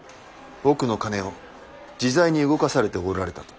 億の金を自在に動かされておられたと。